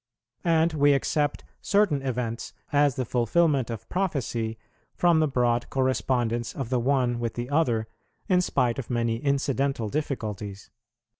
And we accept certain events as the fulfilment of prophecy from the broad correspondence of the one with the other, in spite of many incidental difficulties.